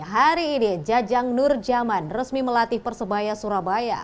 hari ini jajang nur jaman resmi melatih persebaya surabaya